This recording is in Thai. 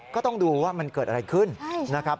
ก็ต้องดูว่ามันเกิดอะไรขึ้นนะครับ